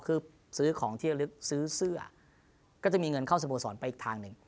คือซื้อของที่ระลึกซื้อเสื้อก็จะมีเงินเข้าสโมสรไปอีกทางหนึ่ง